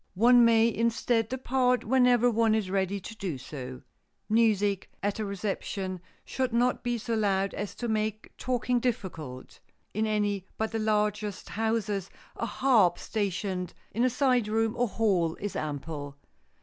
One may instead depart whenever one is ready to do so. Music at a reception should not be so loud as to make talking difficult. In any but the largest houses a harp stationed in a side room or hall is ample.